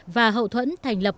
và hậu thuẫn thành lập